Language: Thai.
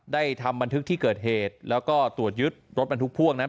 ได้ทำบันทึกที่เกิดเหตุแล้วก็ตรวจยึดรถบันทึกพ่วงนั้น